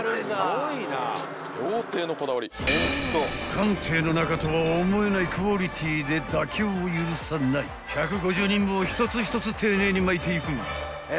［艦艇の中とは思えないクオリティーで妥協を許さない１５０人分を１つ１つ丁寧に巻いていく］